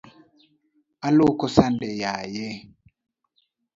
Aluoko sande yaye.